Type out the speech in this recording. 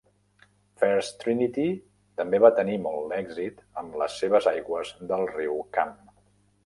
First Trinity també va tenir molt èxit amb les seves aigües del riu Cam.